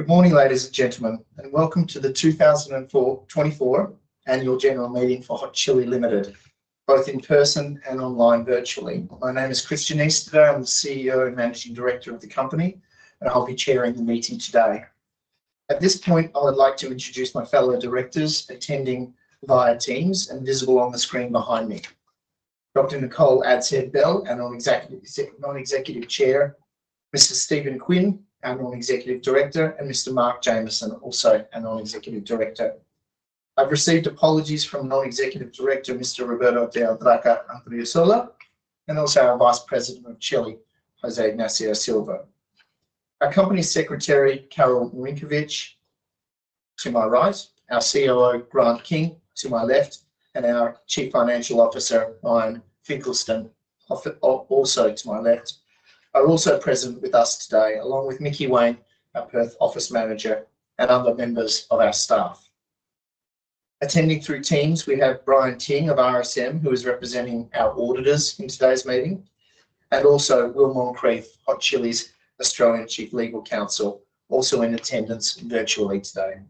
Good morning, ladies and gentlemen, and welcome to the 2024 Annual General Meeting for Hot Chili Limited, both in person and online virtually. My name is Christian Easterday. I'm the CEO and Managing Director of the company, and I'll be chairing the meeting today. At this point, I would like to introduce my fellow directors attending via Teams and visible on the screen behind me: Dr. Nicole Adshead-Bell, and our non-executive chair, Mr. Stephen Quin, our non-executive director, and Mr. Mark Jamieson, also a non-executive director. I've received apologies from non-executive director Mr. Roberto de Andraca Adriasola, and also our Vice President of Chile, José Ignacio Silva. Our company's Secretary, Carol Marinkovich, to my right; our COO, Grant King, to my left; and our Chief Financial Officer, Ryan Finkelstein, also to my left. They're also present with us today, along with Niki Wayne, our Perth Office Manager, and other members of our staff. Attending through Teams, we have Bryan Ting of RSM, who is representing our auditors in today's meeting, and also Will Moncrieff, Hot Chili's Australian Chief Legal Counsel, also in attendance virtually today.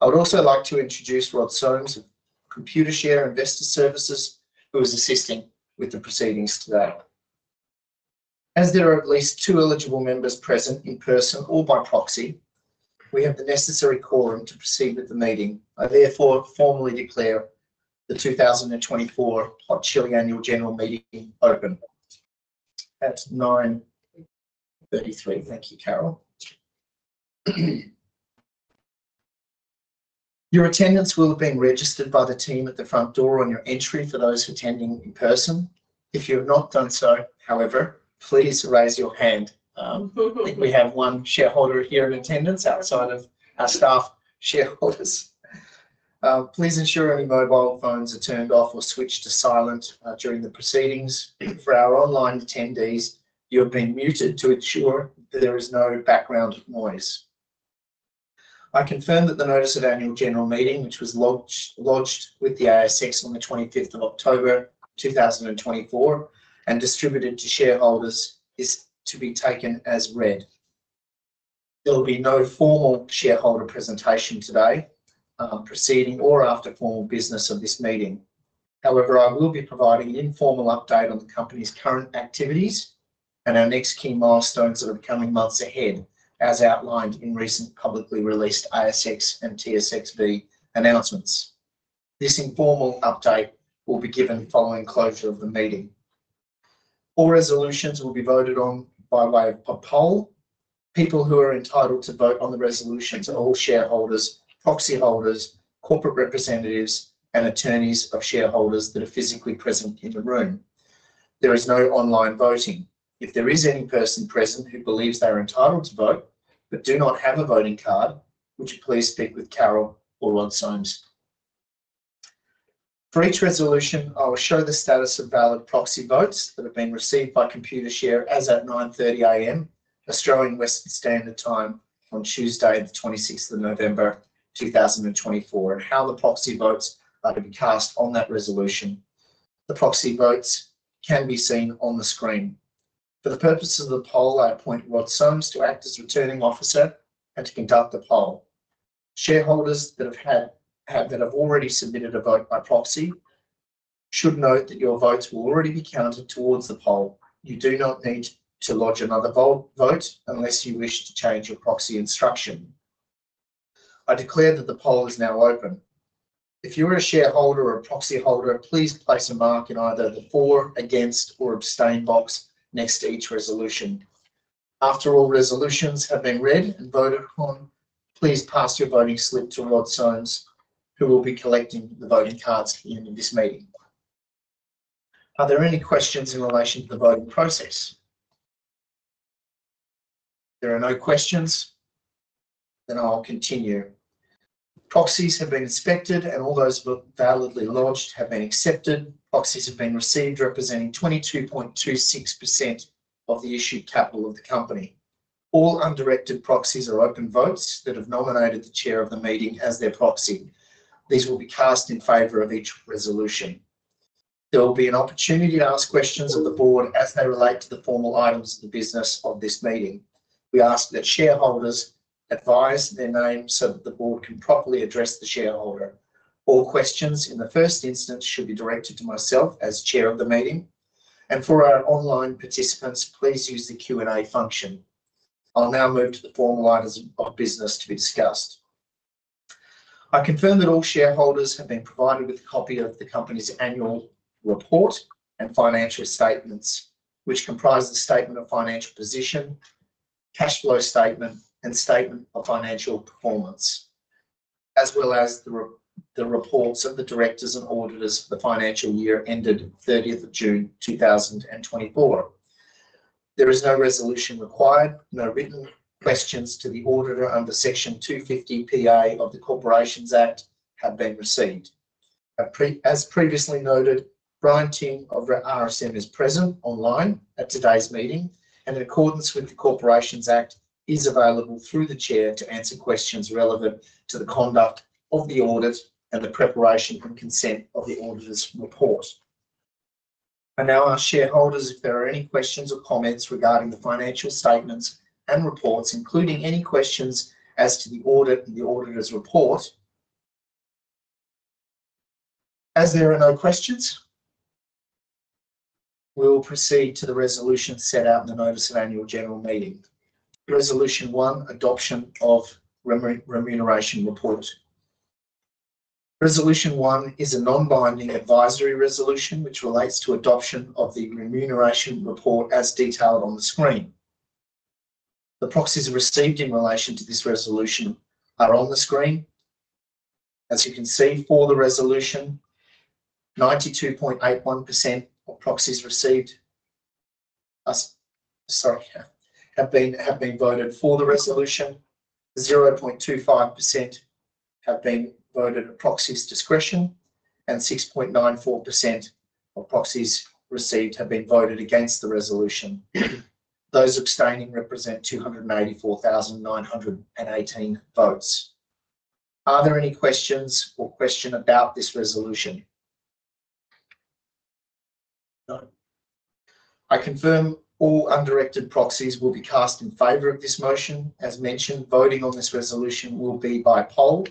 I would also like to introduce Rod Somes of Computershare Investor Services, who is assisting with the proceedings today. As there are at least two eligible members present in person or by proxy, we have the necessary quorum to proceed with the meeting. I therefore formally declare the 2024 Hot Chili Annual General Meeting open at 9:33 A.M. Thank you, Carol. Your attendance will have been registered by the team at the front door on your entry for those attending in person. If you have not done so, however, please raise your hand. I think we have one shareholder here in attendance outside of our staff shareholders. Please ensure any mobile phones are turned off or switched to silent during the proceedings. For our online attendees, you have been muted to ensure there is no background noise. I confirm that the Notice of Annual General Meeting, which was lodged with the ASX on the 25th of October 2024 and distributed to shareholders, is to be taken as read. There will be no formal shareholder presentation today, proceeding, or after formal business of this meeting. However, I will be providing an informal update on the company's current activities and our next key milestones of the coming months ahead, as outlined in recent publicly released ASX and TSXV announcements. This informal update will be given following closure of the meeting. All resolutions will be voted on by way of a poll. People who are entitled to vote on the resolutions are all shareholders, proxy holders, corporate representatives, and attorneys of shareholders that are physically present in the room. There is no online voting. If there is any person present who believes they are entitled to vote but do not have a voting card, would you please speak with Carol or Rod Somes? For each resolution, I will show the status of valid proxy votes that have been received by Computershare as at 9:30 A.M. Australian Western Standard Time on Tuesday, the 26th of November 2024, and how the proxy votes are to be cast on that resolution. The proxy votes can be seen on the screen. For the purposes of the poll, I appoint Rod Somes to act as returning officer and to conduct the poll. Shareholders that have already submitted a vote by proxy should note that your votes will already be counted towards the poll. You do not need to lodge another vote unless you wish to change your proxy instruction. I declare that the poll is now open. If you are a shareholder or a proxy holder, please place a mark in either the for, against, or abstain box next to each resolution. After all resolutions have been read and voted on, please pass your voting slip to Rod Somes, who will be collecting the voting cards at the end of this meeting. Are there any questions in relation to the voting process? There are no questions. Then I'll continue. Proxies have been inspected, and all those validly lodged have been accepted. Proxies have been received representing 22.26% of the issued capital of the company. All undirected proxies are open votes that have nominated the chair of the meeting as their proxy. These will be cast in favor of each resolution. There will be an opportunity to ask questions of the board as they relate to the formal items of the business of this meeting. We ask that shareholders advise their names so that the board can properly address the shareholder. All questions in the first instance should be directed to myself as chair of the meeting, and for our online participants, please use the Q&A function. I'll now move to the formal items of business to be discussed. I confirm that all shareholders have been provided with a copy of the company's annual report and financial statements, which comprise the statement of financial position, cash flow statement, and statement of financial performance, as well as the reports of the directors and auditors for the financial year ended 30th of June 2024. There is no resolution required. No written questions to the auditor under Section 250R(a) of the Corporations Act have been received. As previously noted, Bryan Ting of RSM is present online at today's meeting, and in accordance with the Corporations Act, he is available through the chair to answer questions relevant to the conduct of the audit and the preparation and consent of the auditor's report. I now ask shareholders if there are any questions or comments regarding the financial statements and reports, including any questions as to the audit and the auditor's report. As there are no questions, we will proceed to the resolutions set out in the Notice of Annual General Meeting. Resolution One, Adoption of Remuneration Report. Resolution One is a non-binding advisory resolution which relates to adoption of the remuneration report as detailed on the screen. The proxies received in relation to this resolution are on the screen. As you can see, for the resolution, 92.81% of proxies received have been voted for the resolution. 0.25% have been voted at proxies discretion, and 6.94% of proxies received have been voted against the resolution. Those abstaining represent 284,918 votes. Are there any questions or questions about this resolution? No. I confirm all undirected proxies will be cast in favor of this motion. As mentioned, voting on this resolution will be by poll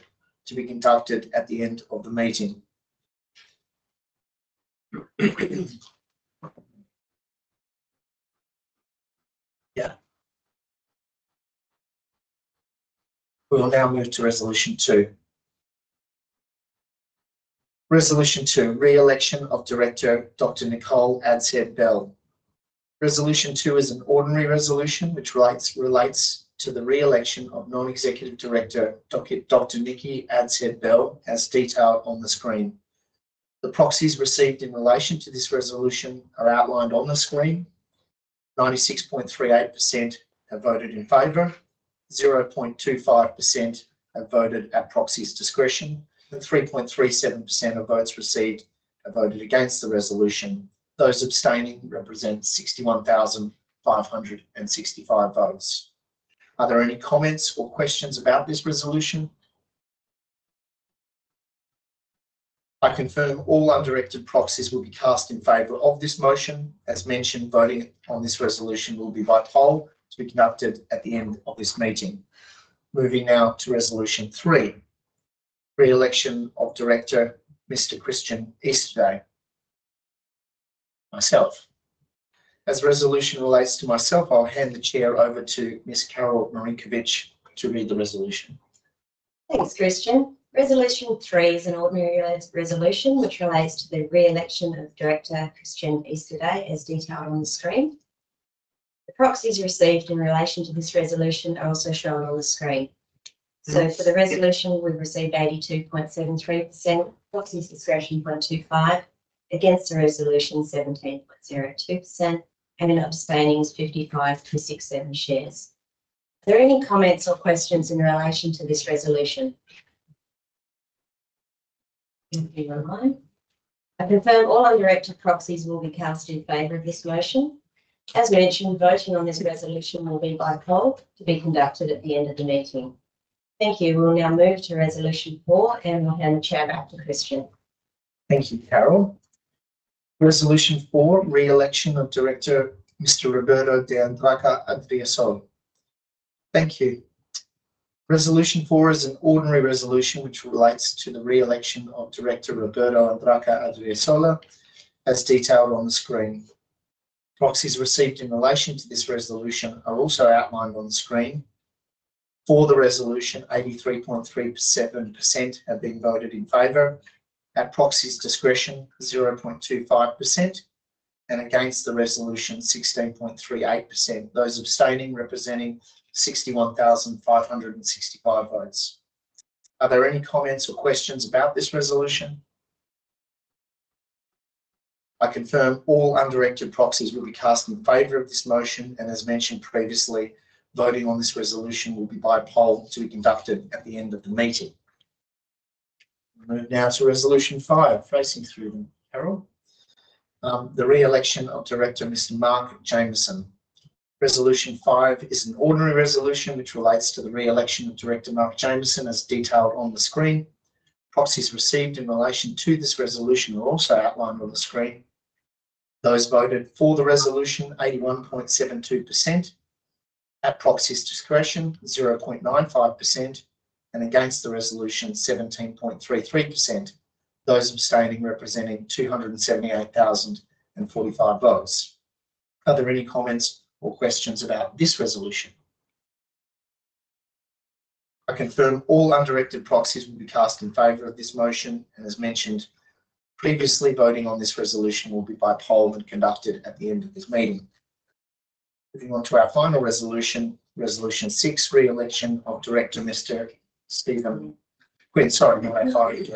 to be conducted at the end of the meeting. Yeah. We will now move to Resolution Two.Resolution Two, Re-election of Director Dr. Nicole Adshead-Bell. Resolution Two is an ordinary resolution which relates to the re-election of non-executive director Dr. Nicole Adshead-Bell, as detailed on the screen. The proxies received in relation to this resolution are outlined on the screen. 96.38% have voted in favor. 0.25% have voted at proxies discretion. 3.37% of votes received have voted against the resolution. Those abstaining represent 61,565 votes. Are there any comments or questions about this resolution? I confirm all undirected proxies will be cast in favor of this motion. As mentioned, voting on this resolution will be by poll to be conducted at the end of this meeting. Moving now to Resolution Three, Re-election of Director Mr. Christian Easterday. Myself. As the resolution relates to myself, I'll hand the chair over to Ms. Carol Marinkovich to read the resolution. Thanks, Christian. Resolution Three is an ordinary resolution which relates to the re-election of Director Christian Easterday, as detailed on the screen. The proxies received in relation to this resolution are also shown on the screen. So for the resolution, we've received 82.73%, proxies discretion 0.25%, against the resolution 17.02%, and in abstaining 55.67%. Are there any comments or questions in relation to this resolution? Thank you. I confirm all undirected proxies will be cast in favor of this motion. As mentioned, voting on this resolution will be by poll to be conducted at the end of the meeting. Thank you. We'll now move to Resolution Four, and we'll hand the chair back to Christian. Thank you, Carol. Resolution Four, Re-election of Director Mr. Roberto de Andraca Adriasola. Thank you. Resolution Four is an ordinary resolution which relates to the re-election of Director Roberto de Andraca Adriasola, as detailed on the screen. Proxies received in relation to this resolution are also outlined on the screen. For the resolution, 83.37% have been voted in favor, at proxies discretion 0.25%, and against the resolution 16.38%. Those abstaining representing 61,565 votes. Are there any comments or questions about this resolution? I confirm all undirected proxies will be cast in favor of this motion, and as mentioned previously, voting on this resolution will be by poll to be conducted at the end of the meeting. We'll move now to Resolution Five, Facing through them, Carol. The re-election of Director Mr. Mark Jamieson. Resolution Five is an ordinary resolution which relates to the re-election of Director Mark Jamieson, as detailed on the screen. Proxies received in relation to this resolution are also outlined on the screen. Those voted for the resolution, 81.72%, at proxy's discretion 0.95%, and against the resolution 17.33%. Those abstaining representing 278,045 votes. Are there any comments or questions about this resolution? I confirm all undirected proxies will be cast in favor of this motion, and as mentioned previously, voting on this resolution will be by poll and conducted at the end of this meeting. Moving on to our final resolution, Resolution Six, Re-election of Director Mr. Stephen Quin. Sorry, my apologies.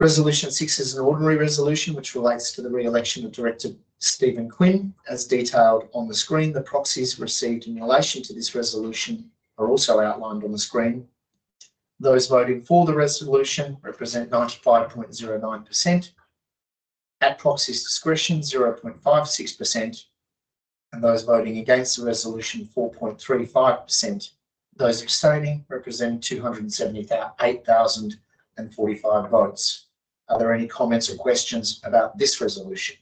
Resolution Six is an ordinary resolution which relates to the re-election of Director Stephen Quin, as detailed on the screen. The proxies received in relation to this resolution are also outlined on the screen. Those voting for the resolution represent 95.09%, at proxy's discretion 0.56%, and those voting against the resolution 4.35%. Those abstaining represent 278,045 votes. Are there any comments or questions about this resolution?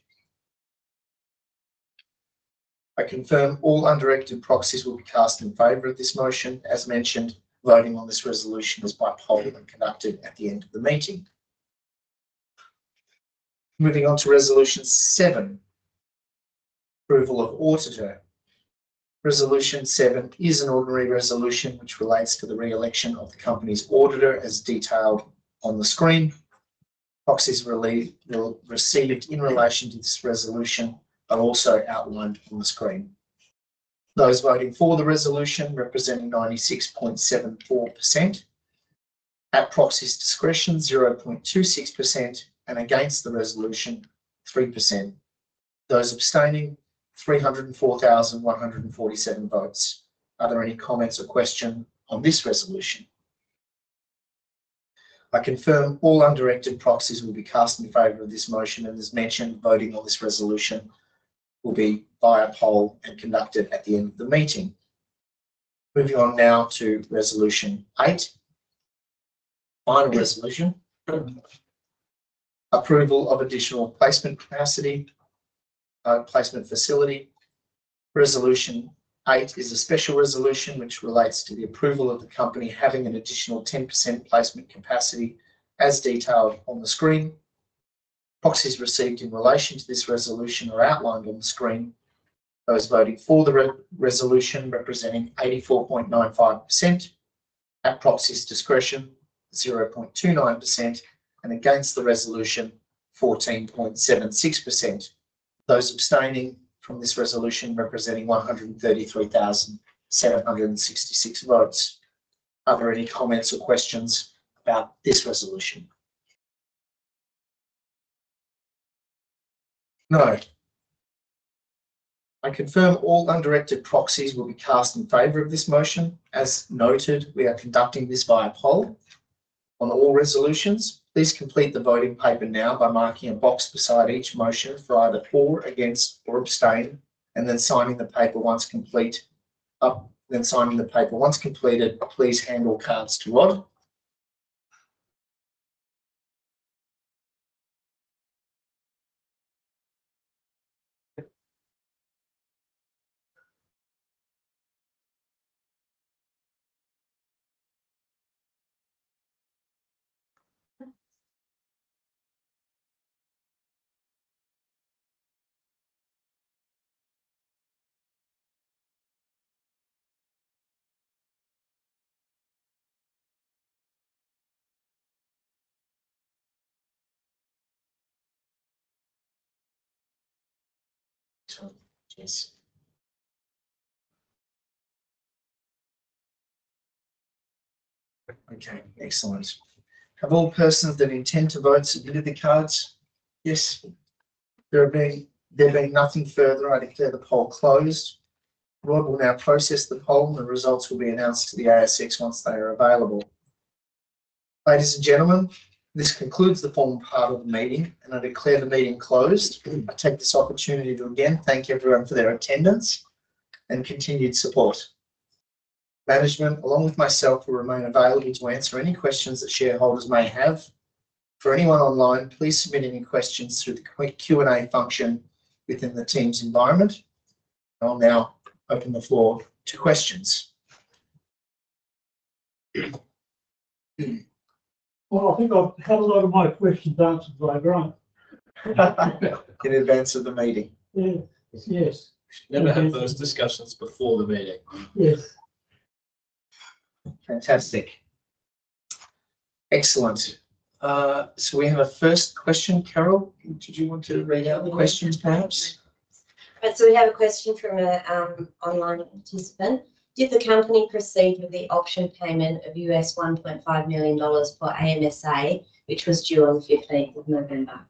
I confirm all undirected proxies will be cast in favor of this motion. As mentioned, voting on this resolution is by poll and conducted at the end of the meeting. Moving on to Resolution Seven, Approval of Auditor. Resolution Seven is an ordinary resolution which relates to the re-election of the company's auditor, as detailed on the screen. Proxies received in relation to this resolution are also outlined on the screen. Those voting for the resolution represent 96.74%, at proxy's discretion 0.26%, and against the resolution 3%. Those abstaining 304,147 votes. Are there any comments or questions on this resolution? I confirm all undirected proxies will be cast in favor of this motion, and as mentioned, voting on this resolution will be by poll and conducted at the end of the meeting. Moving on now to Resolution Eight. Final Resolution, Approval of Additional Placement Capacity, Placement Facility. Resolution Eight is a special resolution which relates to the approval of the company having an additional 10% placement capacity, as detailed on the screen. Proxies received in relation to this resolution are outlined on the screen. Those voting for the resolution representing 84.95%, at proxies' discretion 0.29%, and against the resolution 14.76%. Those abstaining from this resolution representing 133,766 votes. Are there any comments or questions about this resolution? No. I confirm all undirected proxies will be cast in favor of this motion. As noted, we are conducting this by poll on all resolutions. Please complete the voting paper now by marking a box beside each motion for either for, against, or abstain, and then signing the paper once completed. Please hand all cards to Rod. Okay. Excellent. Have all persons that intend to vote submitted the cards? Yes. There being nothing further, I declare the poll closed. Rod will now process the poll, and the results will be announced to the ASX once they are available. Ladies and gentlemen, this concludes the formal part of the meeting, and I declare the meeting closed. I take this opportunity to again thank everyone for their attendance and continued support. Management, along with myself, will remain available to answer any questions that shareholders may have. For anyone online, please submit any questions through the Q&A function within the Teams environment. I'll now open the floor to questions. I think I've had a lot of my questions answered today, right? In advance of the meeting. Yes. Yes. Never had those discussions before the meeting. Yes. Fantastic. Excellent. So we have a first question, Carol. Did you want to read out the questions, perhaps? So we have a question from an online participant. Did the company proceed with the auction payment of $1.5 million for AMSA, which was due on the 15th of November?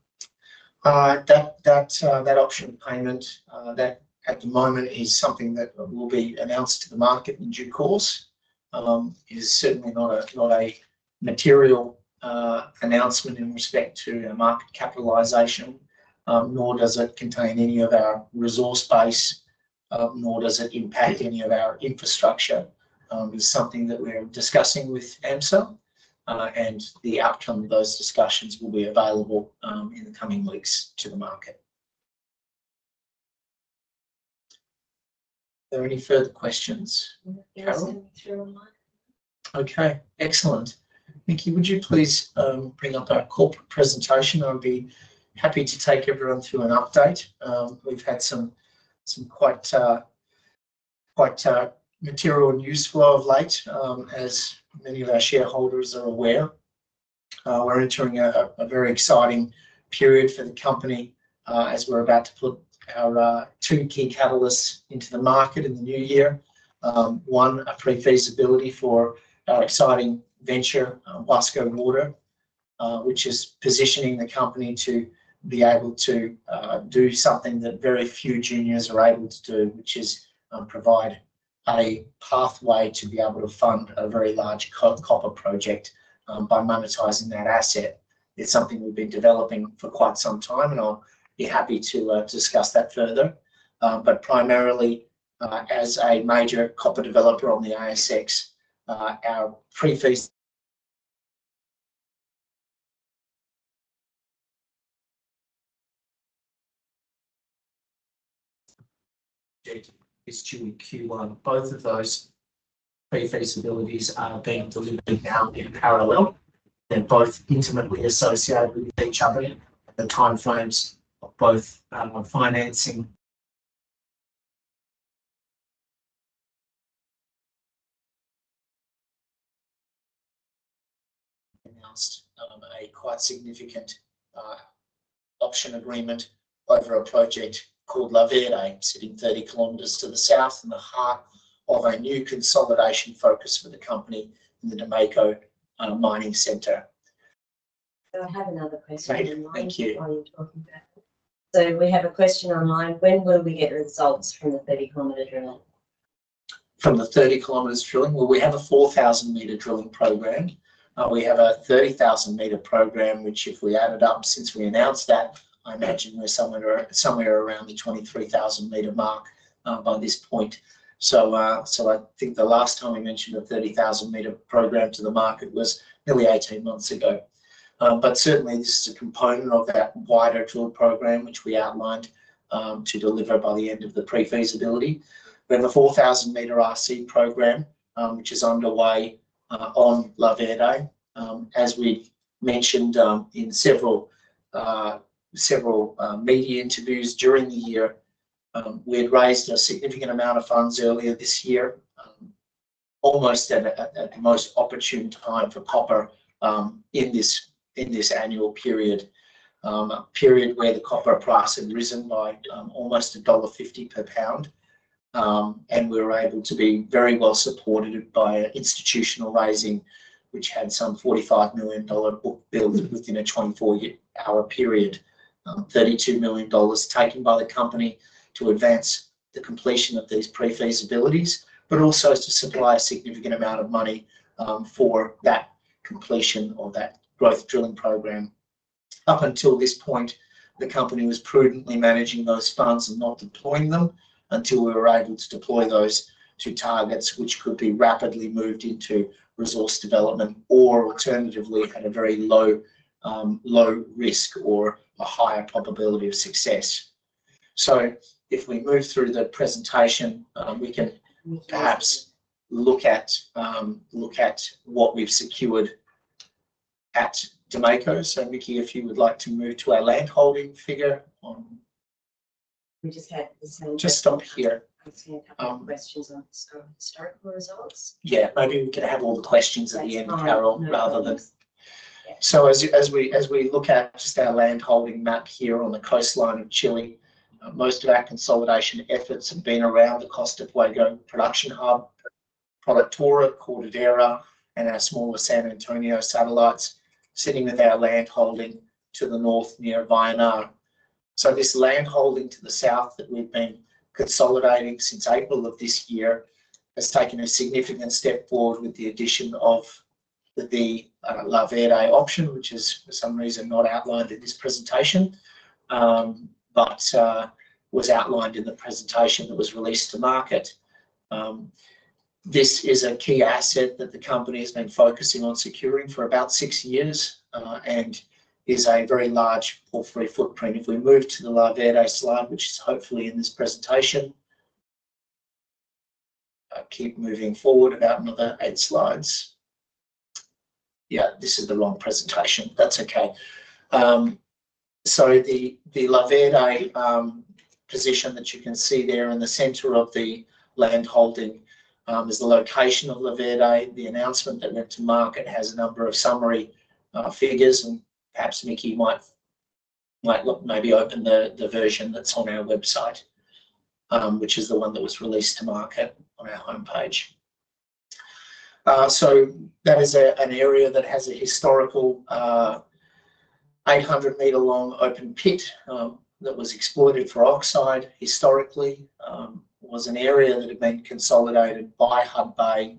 That auction payment, that at the moment is something that will be announced to the market in due course. It is certainly not a material announcement in respect to market capitalization, nor does it contain any of our resource base, nor does it impact any of our infrastructure. It's something that we're discussing with AMSA, and the outcome of those discussions will be available in the coming weeks to the market. Are there any further questions? Yes. Okay. Excellent. Niki, would you please bring up our corporate presentation? I'll be happy to take everyone through an update. We've had some quite material news flow of late, as many of our shareholders are aware. We're entering a very exciting period for the company as we're about to put our two key catalysts into the market in the new year. One, a Pre-Feasibility for our exciting venture, Huasco Water, which is positioning the company to be able to do something that very few juniors are able to do, which is provide a pathway to be able to fund a very large copper project by monetizing that asset. It's something we've been developing for quite some time, and I'll be happy to discuss that further. But primarily, as a major copper developer on the ASX, our Pre-Feasibility is due in Q1. Both of those Pre-Feasibilities are being delivered now in parallel. They're both intimately associated with each other, and the timeframes of both. Financing announced a quite significant offtake agreement over a project called La Verde, sitting 30 km to the south in the heart of a new consolidation focus for the company in the Domeyko Mining Centre. I have another question online. Thank you. While you're talking about it. So we have a question online. When will we get results from the 30 km drilling? From the 30 km drilling? We have a 4,000m drilling program. We have a 30,000m program, which if we added up since we announced that, I imagine we're somewhere around the 23,000m mark by this point. I think the last time we mentioned a 30,000m program to the market was nearly 18 months ago. Certainly, this is a component of that wider drill program, which we outlined to deliver by the end of the Pre-Feasibility. We have a 4,000m RC program, which is underway on La Verde. As we mentioned in several media interviews during the year, we had raised a significant amount of funds earlier this year, almost at the most opportune time for copper in this annual period, a period where the copper price had risen by almost $1.50 per pound. We were able to be very well supported by institutional raising, which had some $45 million book billed within a 24-hour period, $32 million taken by the company to advance the completion of these Pre-Feasibilities, but also to supply a significant amount of money for that completion of that growth drilling program. Up until this point, the company was prudently managing those funds and not deploying them until we were able to deploy those to targets which could be rapidly moved into resource development or, alternatively, at a very low risk or a higher probability of success. If we move through the presentation, we can perhaps look at what we've secured at Domeyko. Niki, if you would like to move to our landholding figure on. We just had the same. Just stop here. I'm seeing a couple of questions on historical results. Yeah. Maybe we can have all the questions at the end, Carol, rather than. Yeah. So as we look at just our landholding map here on the coastline of Chile, most of our consolidation efforts have been around the Costa Fuego production hub, Productora, Cortadera, and our smaller San Antonio satellites, sitting with our landholding to the north near Vallenar. So this landholding to the south that we've been consolidating since April of this year has taken a significant step forward with the addition of the La Verde acquisition, which is, for some reason, not outlined in this presentation, but was outlined in the presentation that was released to market. This is a key asset that the company has been focusing on securing for about six years and is a very large porphyry footprint. If we move to the La Verde slide, which is hopefully in this presentation, keep moving forward about another eight slides. Yeah, this is the wrong presentation. That's okay. The La Verde position that you can see there in the center of the landholding is the location of La Verde. The announcement that went to market has a number of summary figures, and perhaps Niki might maybe open the version that's on our website, which is the one that was released to market on our homepage. That is an area that has a historical 800m long open pit that was exploited for oxide historically. It was an area that had been consolidated by Hudbay,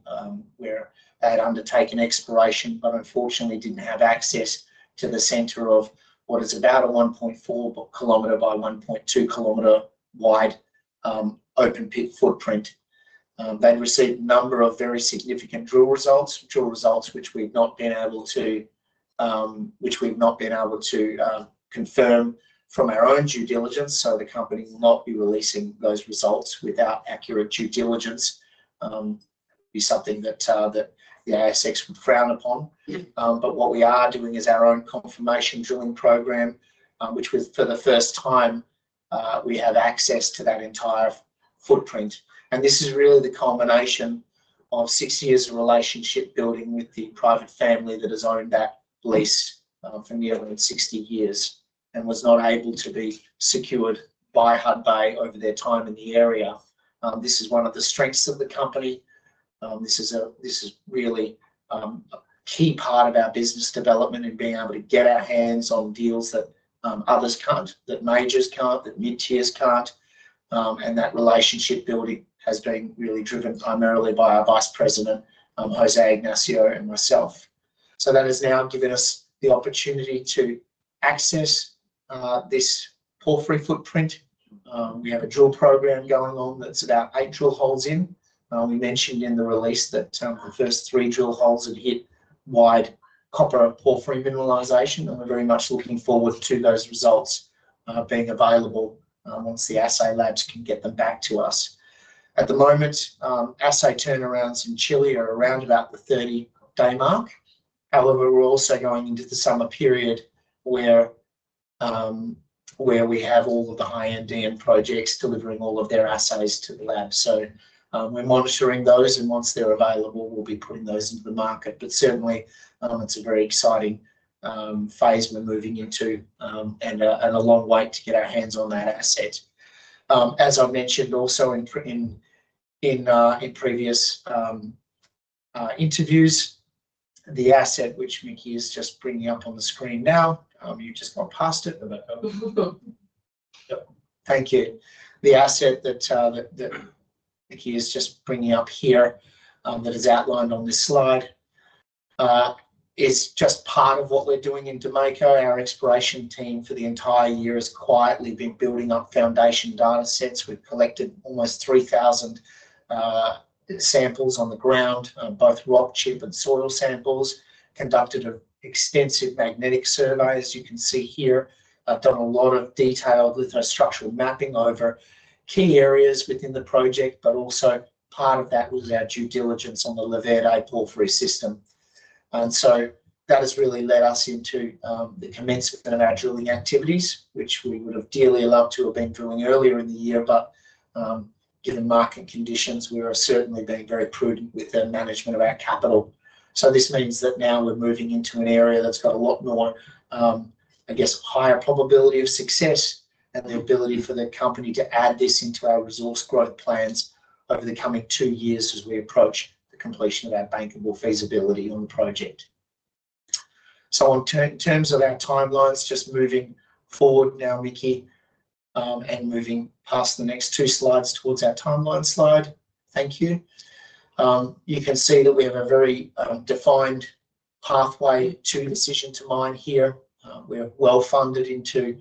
where they had undertaken exploration, but unfortunately didn't have access to the center of what is about a 1.4 km by 1.2 km wide open pit footprint. They'd received a number of very significant drill results, drill results which we've not been able to confirm from our own due diligence. So the company will not be releasing those results without accurate due diligence. It would be something that the ASX would frown upon. But what we are doing is our own confirmation drilling program, which was for the first time we have access to that entire footprint. And this is really the combination of six years of relationship building with the private family that has owned that lease for nearly 60 years and was not able to be secured by HUDBAY over their time in the area. This is one of the strengths of the company. This is really a key part of our business development in being able to get our hands on deals that others can't, that majors can't, that mid-tiers can't. And that relationship building has been really driven primarily by our Vice President, José Ignacio, and myself. That has now given us the opportunity to access this porphyry footprint. We have a drill program going on that's about eight drill holes in. We mentioned in the release that the first three drill holes had hit wide copper porphyry mineralization, and we're very much looking forward to those results being available once the ALS labs can get them back to us. At the moment, ALS turnarounds in Chile are around about the 30-day mark. However, we're also going into the summer period where we have all of the High Andean projects delivering all of their assays to the lab. We're monitoring those, and once they're available, we'll be putting those into the market. But certainly, it's a very exciting phase we're moving into, and a long wait to get our hands on that asset. As I mentioned also in previous interviews, the asset which Niki is just bringing up on the screen now, you just got past it. Thank you. The asset that Niki is just bringing up here that is outlined on this slide is just part of what we're doing in Domeyko. Our exploration team for the entire year has quietly been building up foundation data sets. We've collected almost 3,000 samples on the ground, both rock, chip, and soil samples. Conducted extensive magnetic surveys, you can see here. I've done a lot of detailed lithostructural mapping over key areas within the project, but also part of that was our due diligence on the La Verde porphyry system. And so that has really led us into the commencement of our drilling activities, which we would have dearly loved to have been drilling earlier in the year. But given market conditions, we're certainly being very prudent with the management of our capital. So this means that now we're moving into an area that's got a lot more, I guess, higher probability of success and the ability for the company to add this into our resource growth plans over the coming two years as we approach the completion of our bankable feasibility on the project. So in terms of our timelines, just moving forward now, Niki, and moving past the next two slides towards our timeline slide. Thank you. You can see that we have a very defined pathway to decision to mine here. We're well funded into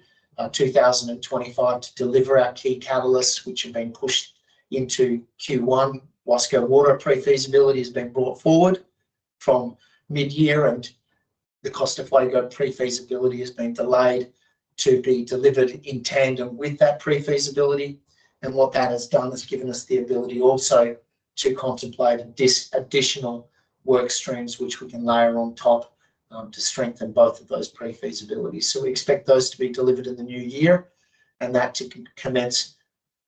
2025 to deliver our key catalysts, which have been pushed into Q1. Huasco Water pre-feasibility has been brought forward from mid-year, and the Costa Fuego pre-feasibility has been delayed to be delivered in tandem with that pre-feasibility. What that has done has given us the ability also to contemplate additional work streams, which we can layer on top to strengthen both of those pre-feasibilities. We expect those to be delivered in the new year and that to commence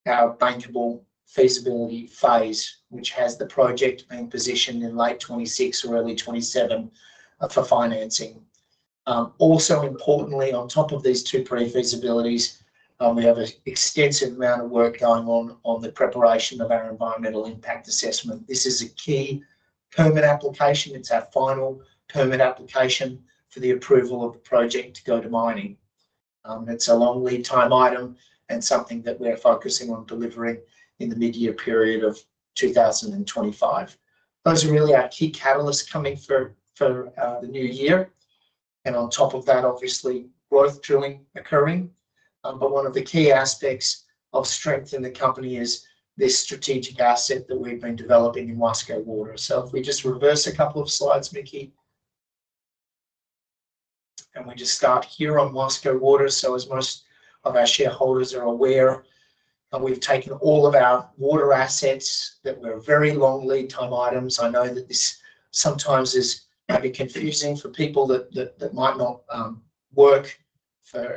our bankable feasibility phase, which has the project being positioned in late 2026 or early 2027 for financing. Also importantly, on top of these two pre-feasibilities, we have an extensive amount of work going on the preparation of our environmental impact assessment. This is a key permit application. It is our final permit application for the approval of the project to go to mining. It is a long lead time item and something that we are focusing on delivering in the mid-year period of 2025. Those are really our key catalysts coming for the new year. On top of that, obviously, growth drilling occurring. One of the key aspects of strength in the company is this strategic asset that we've been developing in Huasco Water. So if we just reverse a couple of slides, Niki, and we just start here on Huasco Water. So as most of our shareholders are aware, we've taken all of our water assets that were very long lead time items. I know that this sometimes is maybe confusing for people that might not work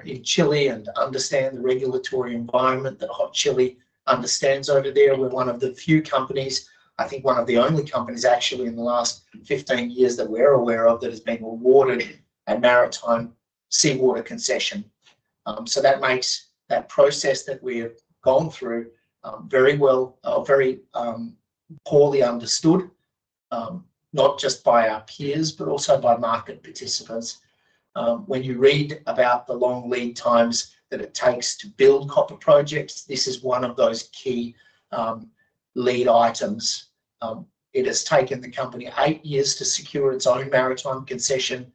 in Chile and understand the regulatory environment that Hot Chili understands over there. We're one of the few companies, I think one of the only companies actually in the last 15 years that we're aware of that has been awarded a maritime seawater concession. So that makes that process that we've gone through very well or very poorly understood, not just by our peers, but also by market participants. When you read about the long lead times that it takes to build copper projects, this is one of those key lead items. It has taken the company eight years to secure its own maritime concession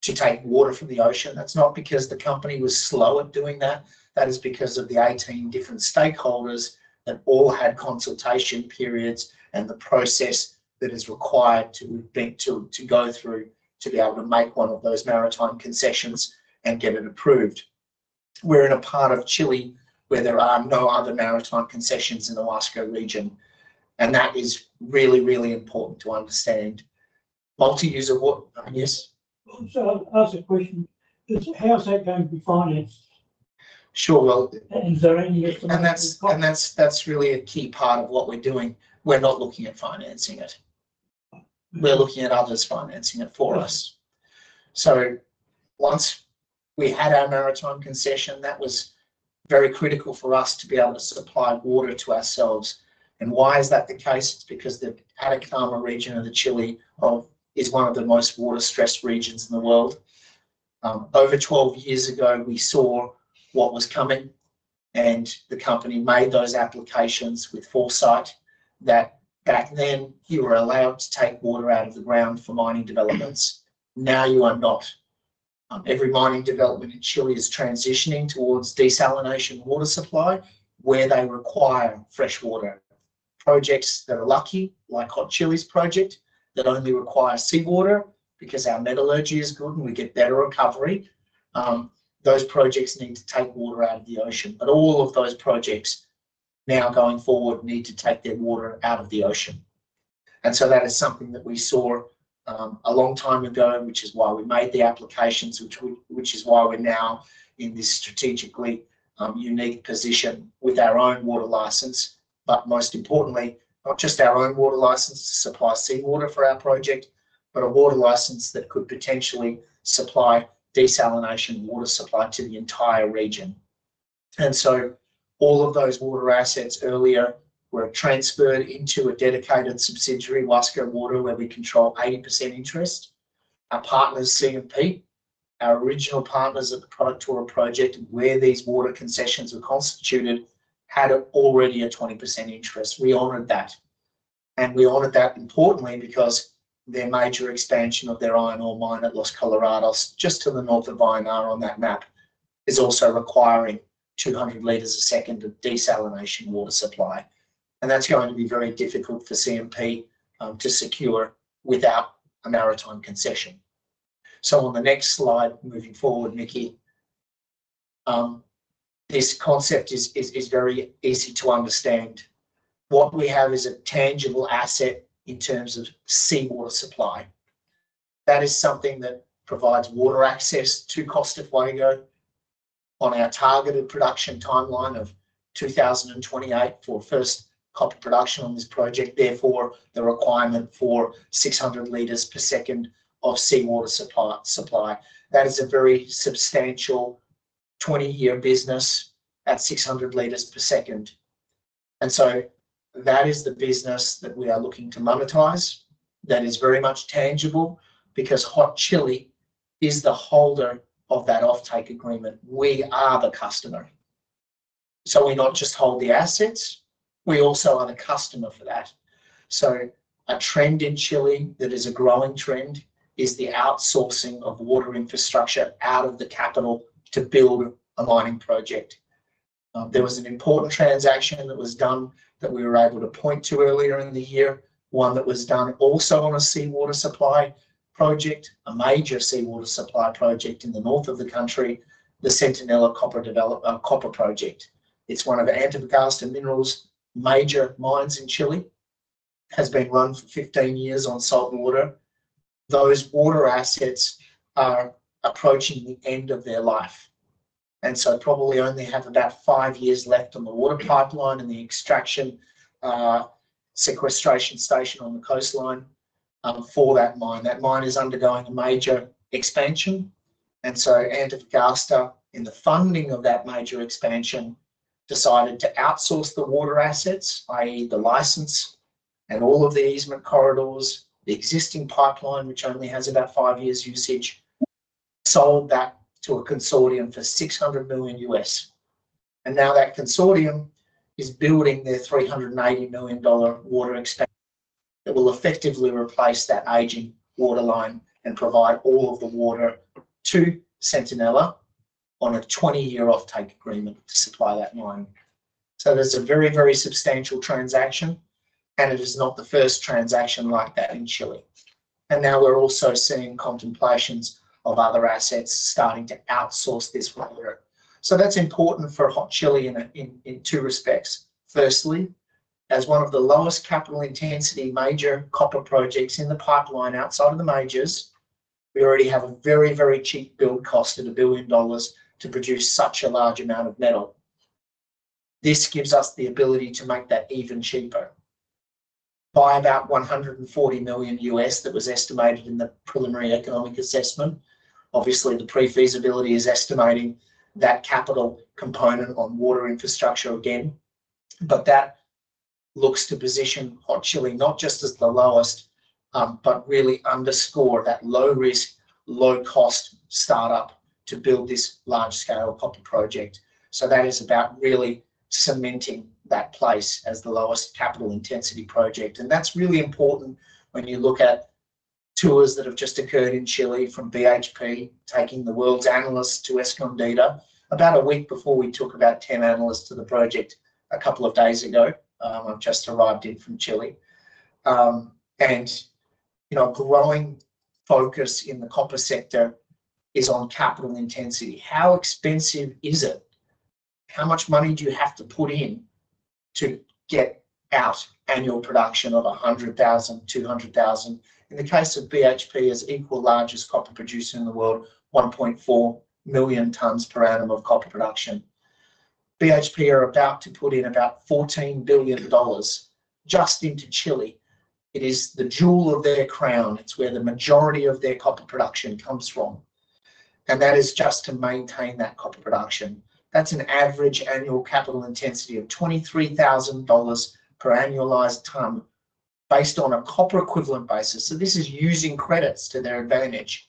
to take water from the ocean. That's not because the company was slow at doing that. That is because of the 18 different stakeholders that all had consultation periods and the process that is required to go through to be able to make one of those maritime concessions and get it approved. We're in a part of Chile where there are no other maritime concessions in the Huasco region, and that is really, really important to understand. Multi-user water, yes? So I'll ask a question. How's that going to be financed? Sure. Well. Is there any estimate? That's really a key part of what we're doing. We're not looking at financing it. We're looking at others financing it for us. Once we had our maritime concession, that was very critical for us to be able to supply water to ourselves. Why is that the case? It's because the Atacama region of Chile is one of the most water-stressed regions in the world. Over 12 years ago, we saw what was coming, and the company made those applications with foresight that back then you were allowed to take water out of the ground for mining developments. Now you are not. Every mining development in Chile is transitioning towards desalination water supply where they require freshwater. Projects that are lucky, like Hot Chili's project, that only require seawater because our metallurgy is good and we get better recovery, those projects need to take water out of the ocean, but all of those projects now going forward need to take their water out of the ocean. That is something that we saw a long time ago, which is why we made the applications, which is why we're now in this strategically unique position with our own water license, but most importantly, not just our own water license to supply seawater for our project, but a water license that could potentially supply desalination water supply to the entire region. All of those water assets earlier were transferred into a dedicated subsidiary, Huasco Water, where we control 80% interest. Our partners, CMP, our original partners at the Productora project where these water concessions were constituted, had already a 20% interest. We honored that and we honored that importantly because their major expansion of their iron ore mine at Los Colorados, just to the north of Vallenar on that map, is also requiring 200 L a second of desalination water supply, and that's going to be very difficult for CMP to secure without a maritime concession, so on the next slide, moving forward, Niki, this concept is very easy to understand. What we have is a tangible asset in terms of seawater supply. That is something that provides water access to Costa Fuego on our targeted production timeline of 2028 for first copper production on this project. Therefore, the requirement for 600 L per second of seawater supply. That is a very substantial 20-year business at 600 L per second. And so that is the business that we are looking to monetize that is very much tangible because Hot Chili is the holder of that offtake agreement. We are the customer. So we not just hold the assets, we also are the customer for that. So a trend in Chile that is a growing trend is the outsourcing of water infrastructure out of the capital to build a mining project. There was an important transaction that was done that we were able to point to earlier in the year, one that was done also on a seawater supply project, a major seawater supply project in the north of the country, the Centinela Copper Project. It is one of Antofagasta Minerals' major mines in Chile. It has been run for 15 years on saltwater. Those water assets are approaching the end of their life. And so probably only have about five years left on the water pipeline and the extraction sequestration station on the coastline for that mine. That mine is undergoing a major expansion. And so Antofagasta, in the funding of that major expansion, decided to outsource the water assets, i.e., the license and all of the easement corridors, the existing pipeline, which only has about five years' usage, sold that to a consortium for $600 million. And now that consortium is building their $380 million water expansion that will effectively replace that aging water line and provide all of the water to Centinela on a 20-year offtake agreement to supply that mine. So there's a very, very substantial transaction, and it is not the first transaction like that in Chile. And now we're also seeing contemplations of other assets starting to outsource this water. So that's important for Hot Chili in two respects. Firstly, as one of the lowest capital intensity major copper projects in the pipeline outside of the majors, we already have a very, very cheap build cost at $1 billion to produce such a large amount of metal. This gives us the ability to make that even cheaper by about $140 million that was estimated in the preliminary economic assessment. Obviously, the pre-feasibility is estimating that capital component on water infrastructure again. But that looks to position Hot Chili not just as the lowest, but really underscore that low-risk, low-cost startup to build this large-scale copper project. So that is about really cementing that place as the lowest capital intensity project. And that's really important when you look at tours that have just occurred in Chile, from BHP taking the world's analysts to Escondida about a week before we took about 10 analysts to the project a couple of days ago. I've just arrived in from Chile. And growing focus in the copper sector is on capital intensity. How expensive is it? How much money do you have to put in to get out annual production of $100,000, $200,000? In the case of BHP, it's equal large as copper produced in the world, 1.4 million tonnes per annum of copper production. BHP are about to put in about $14 billion just into Chile. It is the jewel of their crown. It's where the majority of their copper production comes from. And that is just to maintain that copper production. That's an average annual capital intensity of $23,000 per annualized tonne based on a copper equivalent basis. So this is using credits to their advantage.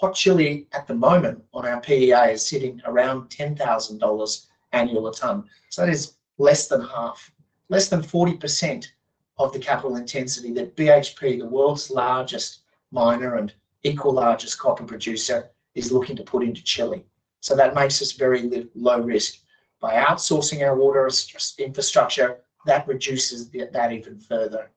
Hot Chili at the moment on our PEA is sitting around $10,000 annual a tonne. So that is less than half, less than 40% of the capital intensity that BHP, the world's largest miner and equal largest copper producer, is looking to put into Chile. So that makes us very low risk. By outsourcing our water infrastructure, that reduces that even further.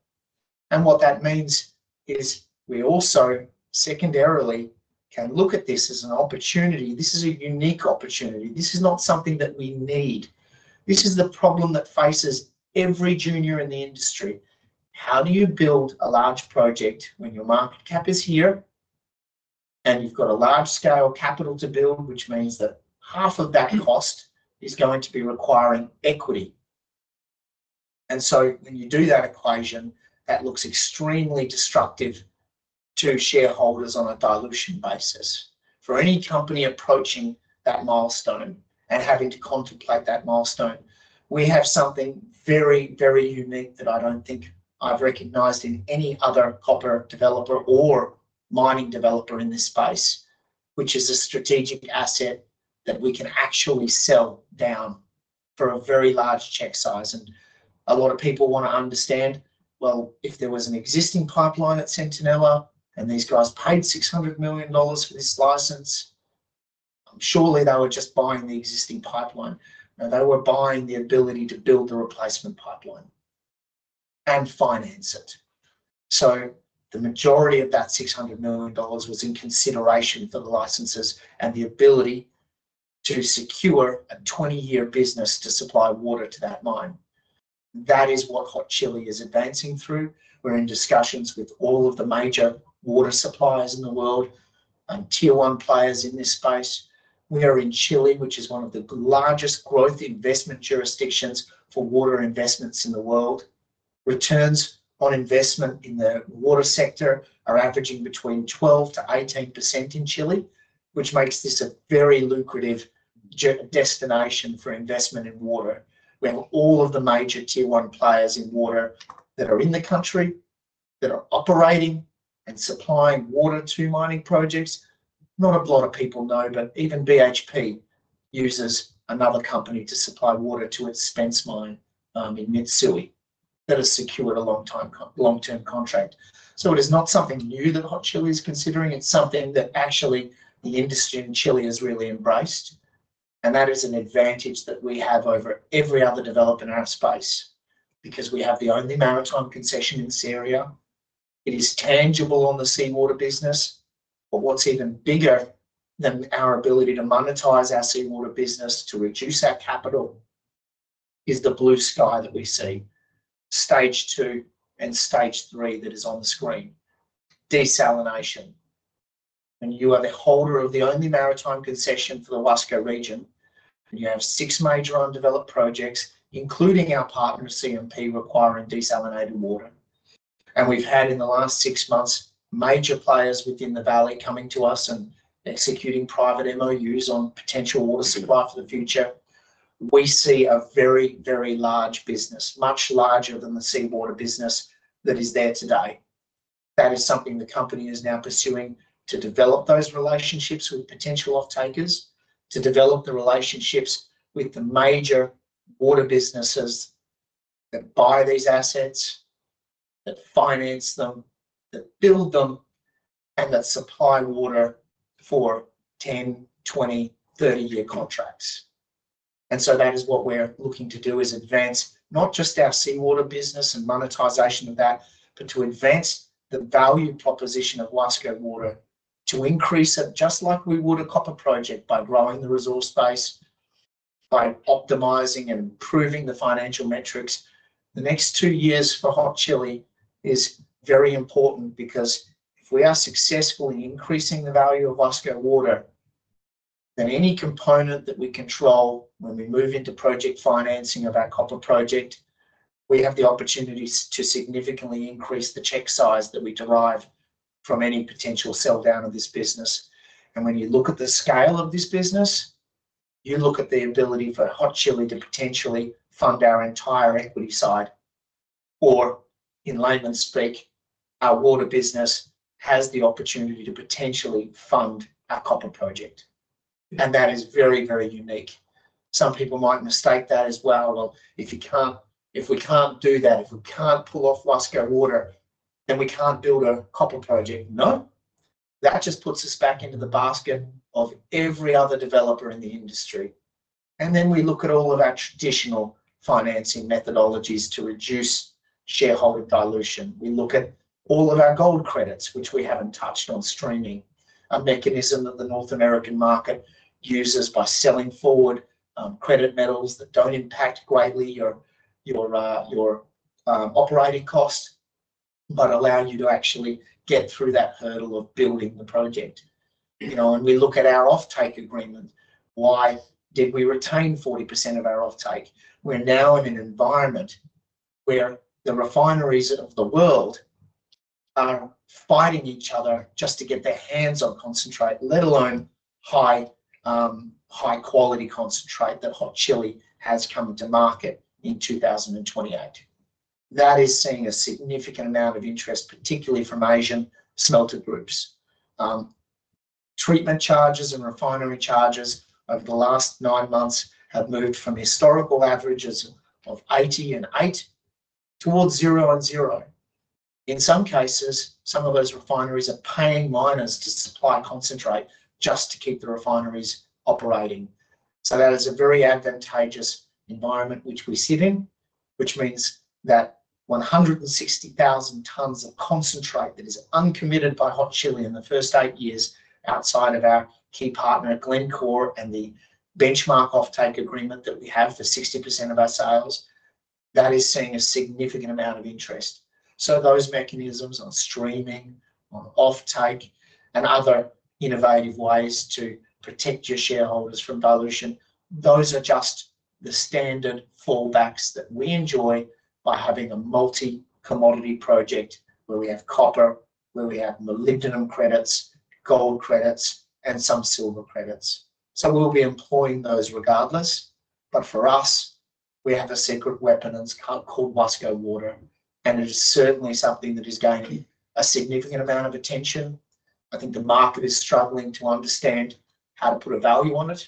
And what that means is we also secondarily can look at this as an opportunity. This is a unique opportunity. This is not something that we need. This is the problem that faces every junior in the industry. How do you build a large project when your market cap is here and you've got a large-scale capital to build, which means that half of that cost is going to be requiring equity? And so when you do that equation, that looks extremely destructive to shareholders on a dilution basis. For any company approaching that milestone and having to contemplate that milestone, we have something very, very unique that I don't think I've recognized in any other copper developer or mining developer in this space, which is a strategic asset that we can actually sell down for a very large check size. And a lot of people want to understand, well, if there was an existing pipeline at Centinela and these guys paid $600 million for this license, surely they were just buying the existing pipeline. They were buying the ability to build the replacement pipeline and finance it. The majority of that $600 million was in consideration for the licenses and the ability to secure a 20-year business to supply water to that mine. That is what Hot Chili is advancing through. We're in discussions with all of the major water suppliers in the world, Tier 1 players in this space. We are in Chile, which is one of the largest growth investment jurisdictions for water investments in the world. Returns on investment in the water sector are averaging between 12%-18% in Chile, which makes this a very lucrative destination for investment in water. We have all of the major Tier 1 players in water that are in the country that are operating and supplying water to mining projects. Not a lot of people know, but even BHP uses another company, Mitsui, to supply water to its Spence mine that has secured a long-term contract. So it is not something new that Hot Chili is considering. It's something that actually the industry in Chile has really embraced. And that is an advantage that we have over every other development in our space because we have the only maritime concession in Huasco. It is tangible on the seawater business. But what's even bigger than our ability to monetize our seawater business to reduce our capital is the blue sky that we see, stage two and stage three that is on the screen. Desalination. And you are the holder of the only maritime concession for the Huasco region. And you have six major undeveloped projects, including our partner, CMP, requiring desalinated water. We’ve had in the last six months major players within the valley coming to us and executing private MOUs on potential water supply for the future. We see a very, very large business, much larger than the seawater business that is there today. That is something the company is now pursuing to develop those relationships with potential offtakers, to develop the relationships with the major water businesses that buy these assets, that finance them, that build them, and that supply water for 10, 20, 30-year contracts. And so that is what we’re looking to do is advance not just our seawater business and monetization of that, but to advance the value proposition of Huasco Water, to increase it just like we would a copper project by growing the resource base, by optimizing and improving the financial metrics. The next two years for Hot Chili is very important because if we are successful in increasing the value of Huasco Water, then any component that we control when we move into project financing of our copper project, we have the opportunity to significantly increase the check size that we derive from any potential sell down of this business. When you look at the scale of this business, you look at the ability for Hot Chili to potentially fund our entire equity side, or in layman's speak, our water business has the opportunity to potentially fund our copper project. That is very, very unique. Some people might mistake that as well. If we can't do that, if we can't pull off Huasco Water, then we can't build a copper project. No. That just puts us back into the basket of every other developer in the industry. Then we look at all of our traditional financing methodologies to reduce shareholder dilution. We look at all of our gold credits, which we haven't touched on streaming, a mechanism that the North American market uses by selling forward credit metals that don't impact greatly your operating cost, but allow you to actually get through that hurdle of building the project. We look at our offtake agreement. Why did we retain 40% of our offtake? We're now in an environment where the refineries of the world are fighting each other just to get their hands on concentrate, let alone high-quality concentrate that Hot Chili has come to market in 2028. That is seeing a significant amount of interest, particularly from Asian smelter groups. Treatment charges and refinery charges over the last nine months have moved from historical averages of 80 and eight towards zero and zero. In some cases, some of those refineries are paying miners to supply concentrate just to keep the refineries operating. So that is a very advantageous environment, which we sit in, which means that 160,000 tonnes of concentrate that is uncommitted by Hot Chili in the first eight years outside of our key partner, Glencore, and the benchmark offtake agreement that we have for 60% of our sales, that is seeing a significant amount of interest. So those mechanisms on streaming, on offtake, and other innovative ways to protect your shareholders from dilution, those are just the standard fallbacks that we enjoy by having a multi-commodity project where we have copper, where we have molybdenum credits, gold credits, and some silver credits. So we'll be employing those regardless. But for us, we have a secret weapon called Huasco Water. It is certainly something that is gaining a significant amount of attention. I think the market is struggling to understand how to put a value on it.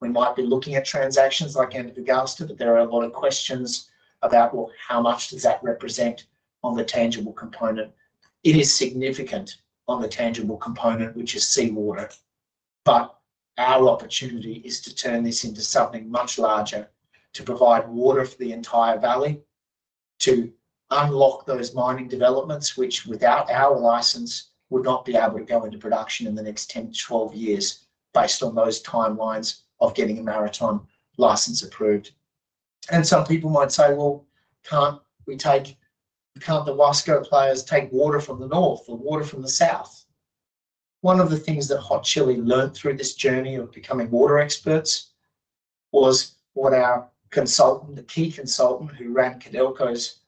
We might be looking at transactions like Antofagasta, but there are a lot of questions about, well, how much does that represent on the tangible component? It is significant on the tangible component, which is seawater. But our opportunity is to turn this into something much larger to provide water for the entire valley, to unlock those mining developments, which without our license would not be able to go into production in the next 10-12 years based on those timelines of getting a maritime license approved. Some people might say, well, can't the Huasco players take water from the north or water from the south? One of the things that Hot Chili learned through this journey of becoming water experts was what our consultant, the key consultant who ran Codelco's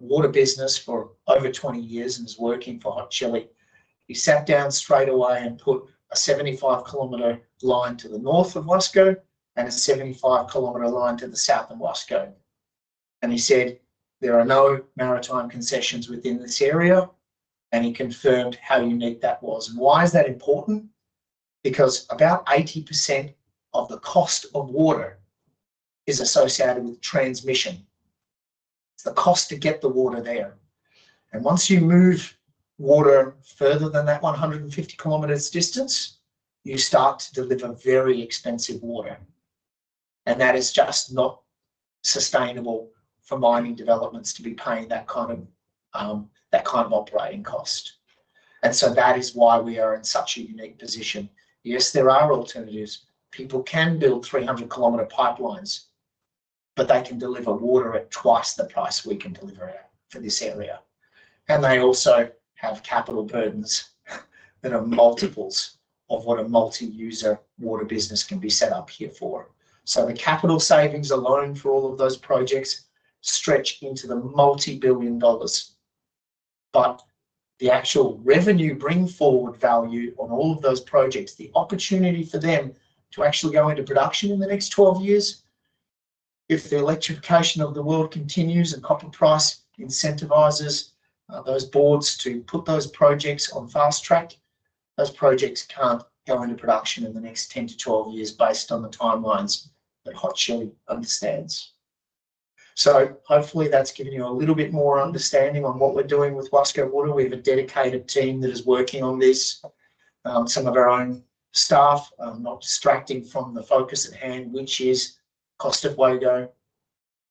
water business for over 20 years and is working for Hot Chili, he sat down straight away and put a 75 km line to the north of Huasco and a 75 km line to the south of Huasco, and he said, there are no maritime concessions within this area, and he confirmed how unique that was, and why is that important? Because about 80% of the cost of water is associated with transmission. It's the cost to get the water there, and once you move water further than that 150 km distance, you start to deliver very expensive water, and that is just not sustainable for mining developments to be paying that kind of operating cost, and so that is why we are in such a unique position. Yes, there are alternatives. People can build 300 km pipelines, but they can deliver water at twice the price we can deliver for this area, and they also have capital burdens that are multiples of what a multi-user water business can be set up here for, so the capital savings alone for all of those projects stretch into the multi-billion dollars, but the actual revenue bring forward value on all of those projects, the opportunity for them to actually go into production in the next 12 years. If the electrification of the world continues and copper price incentivizes those boards to put those projects on fast track, those projects can't go into production in the next 10-12 years based on the timelines that Hot Chili understands, so hopefully that's given you a little bit more understanding on what we're doing with Huasco Water. We have a dedicated team that is working on this, some of our own staff, not distracting from the focus at hand, which is Costa Fuego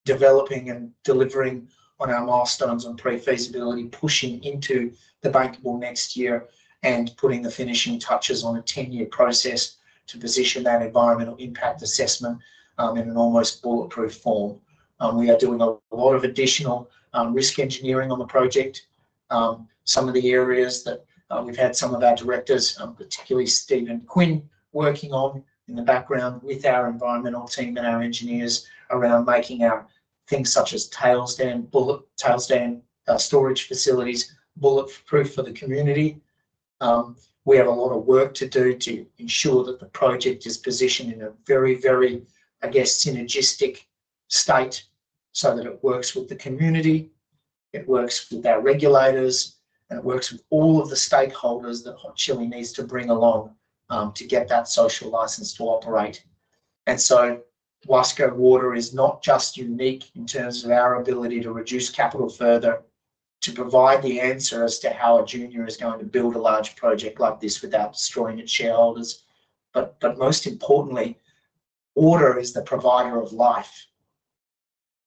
developing and delivering on our milestones on pre-feasibility, pushing into the bankable next year and putting the finishing touches on a 10-year process to position that environmental impact assessment in an almost bulletproof form. We are doing a lot of additional risk engineering on the project. Some of the areas that we've had some of our directors, particularly Stephen Quin, working on in the background with our environmental team and our engineers around making our things such as tailings storage facilities bulletproof for the community. We have a lot of work to do to ensure that the project is positioned in a very, very, I guess, synergistic state so that it works with the community, it works with our regulators, and it works with all of the stakeholders that Hot Chili needs to bring along to get that social license to operate. And so Huasco Water is not just unique in terms of our ability to reduce capital further, to provide the answer as to how a junior is going to build a large project like this without destroying its shareholders. But most importantly, water is the provider of life.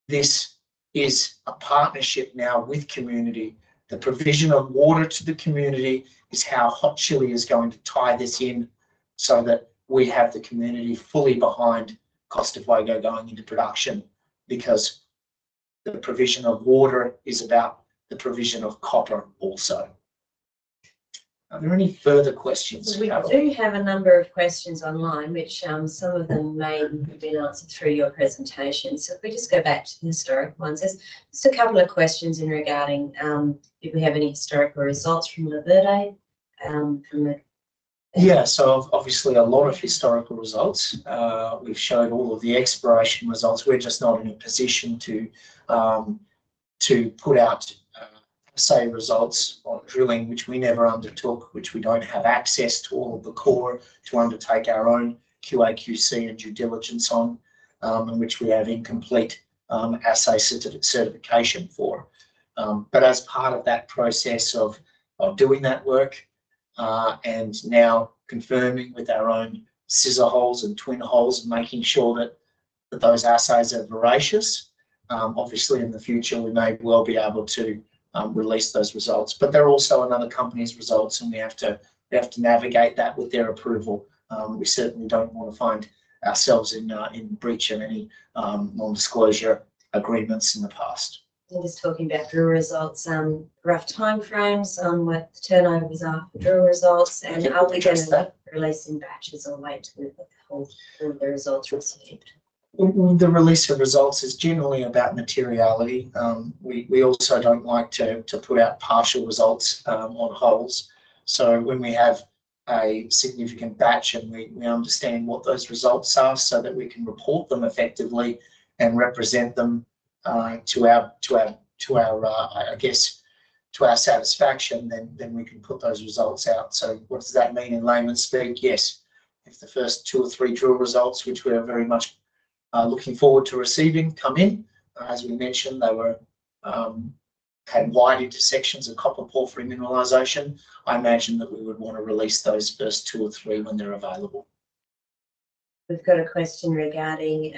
This is a partnership now with community. The provision of water to the community is how Hot Chili is going to tie this in so that we have the community fully behind Costa Fuego going into production because the provision of water is about the provision of copper also. Are there any further questions? We do have a number of questions online, which some of them may have been answered through your presentation. So if we just go back to the historic ones, there's just a couple of questions regarding if we have any historical results from La Verde. Yeah. So obviously a lot of historical results. We've showed all of the exploration results. We're just not in a position to put out, say, results on drilling, which we never undertook, which we don't have access to all of the core to undertake our own QAQC and due diligence on, which we have incomplete assay certification for. But as part of that process of doing that work and now confirming with our own scissor holes and twin holes and making sure that those assays are veracious, obviously in the future we may well be able to release those results. But they're also another company's results, and we have to navigate that with their approval. We certainly don't want to find ourselves in breach of any non-disclosure agreements in the past. We were just talking about drill results, rough timeframes, what turnover was after drill results, and how we can release in batches or wait to the results received. The release of results is generally about materiality. We also don't like to put out partial results on holes. When we have a significant batch and we understand what those results are so that we can report them effectively and represent them to our, I guess, to our satisfaction, then we can put those results out. What does that mean in layman's speak? Yes. If the first two or three drill results, which we are very much looking forward to receiving, come in, as we mentioned, they had wide intersections of copper porphyry mineralization, I imagine that we would want to release those first two or three when they're available. We've got a question regarding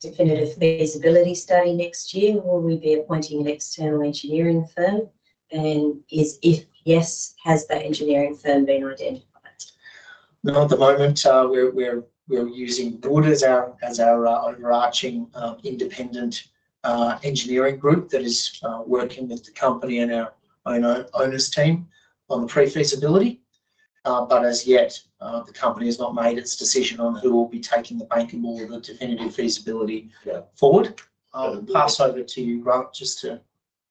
Definitive Feasibility study next year. Will we be appointing an external engineering firm? And if yes, has the engineering firm been identified? No, at the moment, we're using Wood as our overarching independent engineering group that is working with the company and our Owner's Team on the Pre-Feasibility.But as yet, the company has not made its decision on who will be taking the bankable or the Definitive Feasibility forward. I'll pass over to you, Grant, just to.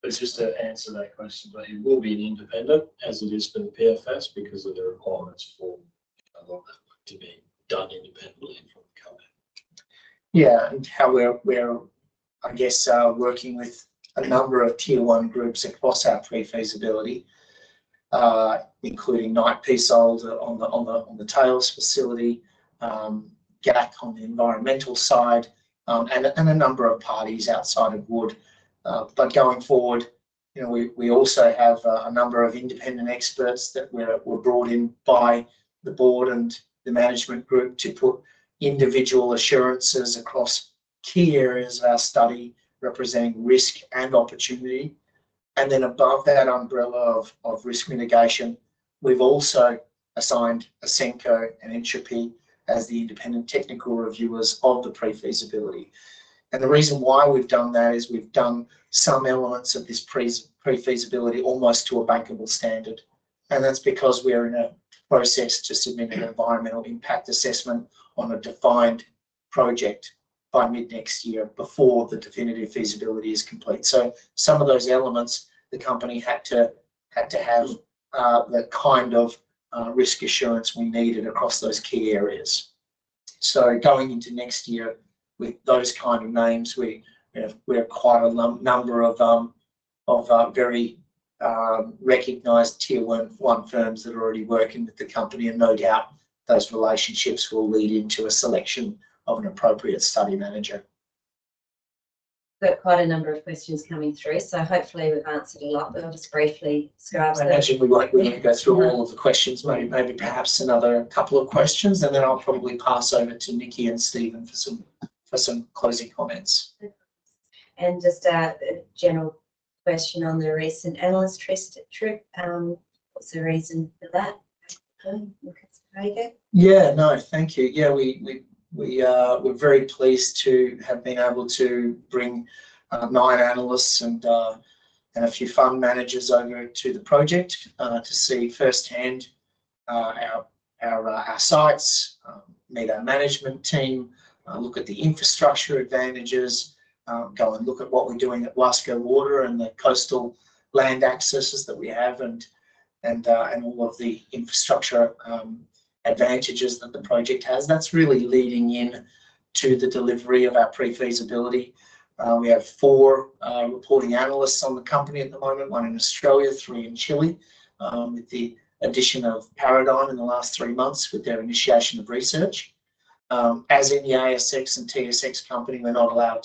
It's just to answer that question, but it will be an independent as it is for the PFS because of the requirements for a lot of that work to be done independently from the company. Yeah. And how we're, I guess, working with a number of tier one groups across our pre-feasibility, including Knight Piésold on the tails facility, GAC on the environmental side, and a number of parties outside of Wood. But going forward, we also have a number of independent experts that were brought in by the board and the management group to put individual assurances across key areas of our study representing risk and opportunity. And then above that umbrella of risk mitigation, we've also assigned Ausenco and Enthalpy as the independent technical reviewers of the Pre-Feasibility. And the reason why we've done that is we've done some elements of this Pre-Feasibility almost to a bankable standard. And that's because we're in a process to submit an environmental impact assessment on a defined project by mid-next year before the Definitive Feasibility is complete. So some of those elements, the company had to have the kind of risk assurance we needed across those key areas. So going into next year with those kind of names, we acquire a number of very recognised tier one firms that are already working with the company. And no doubt those relationships will lead into a selection of an appropriate study manager. We've got quite a number of questions coming through. So hopefully we've answered a lot, but I'll just briefly skim over that. I imagine we won't go through all of the questions. Maybe perhaps another couple of questions. And then I'll probably pass over to Nicky and Stephen for some closing comments. And just a general question on the recent analyst trip. What's the reason for that? Look at it. Yeah. No, thank you. Yeah. We're very pleased to have been able to bring nine analysts and a few fund managers over to the project to see firsthand our sites, meet our management team, look at the infrastructure advantages, go and look at what we're doing at Huasco Water and the coastal land accesses that we have and all of the infrastructure advantages that the project has. That's really leading in to the delivery of our pre-feasibility. We have four reporting analysts on the company at the moment, one in Australia, three in Chile, with the addition of Paradigm in the last three months with their initiation of research. As in the ASX and TSX company, we're not allowed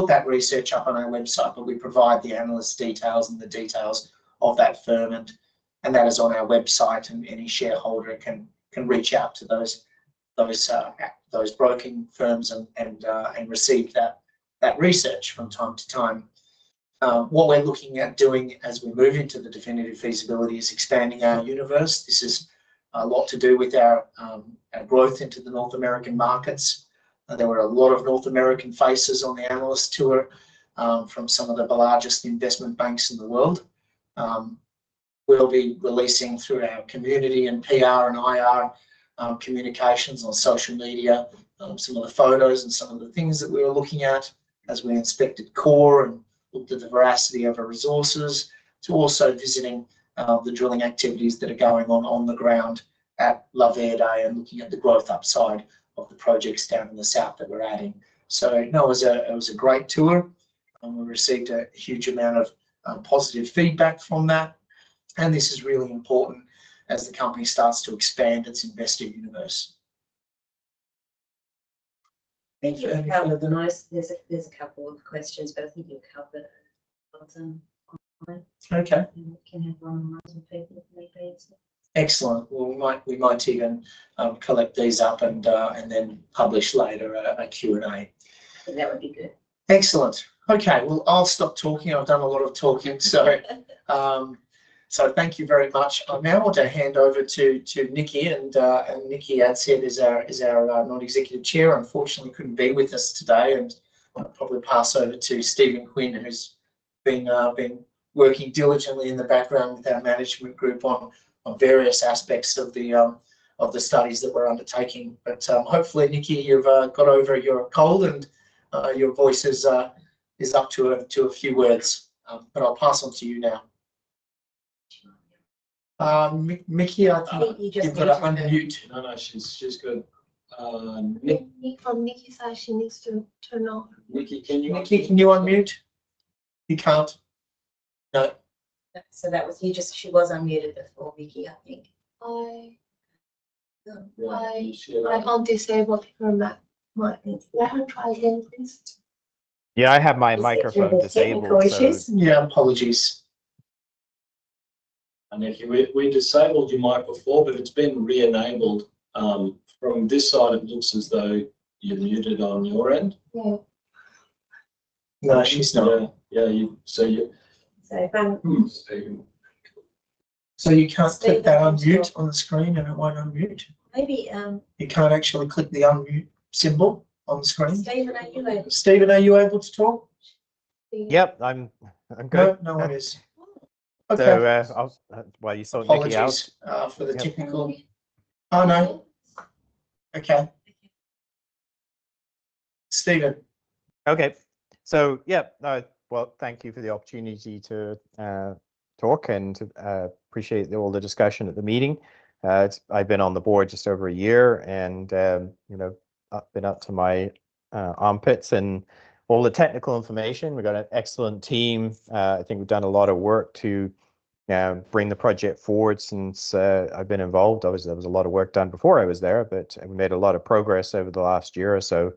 to put that research up on our website, but we provide the analyst details and the details of that firm, and that is on our website, and any shareholder can reach out to those broking firms and receive that research from time to time. What we're looking at doing as we move into the Definitive Feasibility is expanding our universe. This has a lot to do with our growth into the North American markets. There were a lot of North American faces on the analyst tour from some of the largest investment banks in the world. We'll be releasing through our community and PR and IR communications on social media some of the photos and some of the things that we were looking at as we inspected core and looked at the veracity of our resources to also visiting the drilling activities that are going on on the ground at La Verde and looking at the growth upside of the projects down in the south that we're adding. So, no, it was a great tour. We received a huge amount of positive feedback from that. And this is really important as the company starts to expand its investor universe. Thank you. There's a couple of questions, but I think you'll cover them online. Okay. And we can have one online with people if need be. Excellent. We might even collect these up and then publish later a Q&A. That would be good. Excellent. Okay. Well, I'll stop talking. I've done a lot of talking. So thank you very much. I now want to hand over to Nicky. And Nicky Adshead-Bell is our non-executive chair. Unfortunately, he couldn't be with us today. And I'll probably pass over to Stephen Quin, who's been working diligently in the background with our management group on various aspects of the studies that we're undertaking. But hopefully, Nicky, you've got over your cold and your voice is up to a few words. But I'll pass on to you now. Nicky, I think you've got to unmute. No, no. She's good. Nicky said she needs to turn off. Nicky, can you unmute? You can't. No. So that was you. She was unmuted before, Nicky I think. I can't disable the camera. I haven't tried again, please. Yeah, I have my microphone disabled. Yeah, apologies. Nicky, we disabled your mic before, but it's been re-enabled. From this side, it looks as though you're muted on your end. No, she's not. Yeah. So you can't click that unmute on the screen and it won't unmute. You can't actually click the unmute symbol on the screen. Stephen, are you able to talk? Yep, I'm good. No worries. Okay. So that's why you saw Nicky out. For the technical. Oh, no. Okay. Stephen. Okay. So yeah. Well, thank you for the opportunity to talk and appreciate all the discussion at the meeting. I've been on the board just over a year and been up to my armpits and all the technical information. We've got an excellent team. I think we've done a lot of work to bring the project forward since I've been involved. There was a lot of work done before I was there, but we made a lot of progress over the last year or so.